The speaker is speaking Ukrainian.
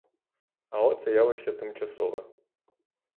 Але це явище тимчасове.